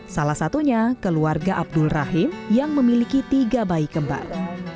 salah satunya keluarga abdul rahim yang memiliki tiga bayi kembar